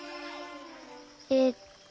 えっと。